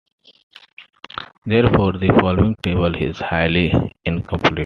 Therefore, the following table is highly incomplete.